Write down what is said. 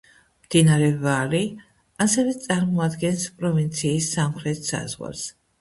მდინარე ვაალი ასევე წარმოადგენს პროვინციის სამხრეთ საზღვარს.